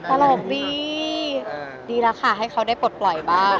โอ้โหวี่ดีราคาให้เขาได้ปลดปล่อยบ้าง